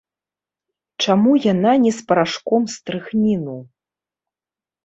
Чаму яна не з парашком стрыхніну?